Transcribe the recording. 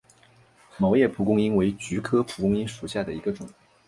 毛叶蒲公英为菊科蒲公英属下的一个种。